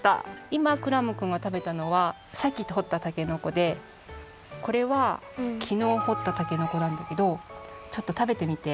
いまクラムくんがたべたのはさっき掘ったたけのこでこれはきのう掘ったたけのこなんだけどちょっとたべてみて。